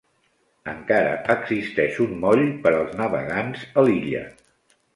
Encara existeix un moll per als navegants a l'illa.